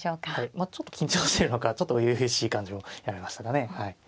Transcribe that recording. まあちょっと緊張しているのかちょっと初々しい感じも見られましたかねはい。